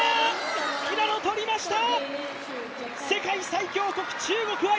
平野、取りました！